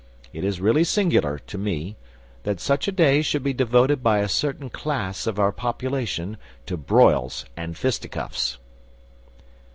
It is really singular to me that such a day should be devoted by a certain class of our population to broils and fisticuffs."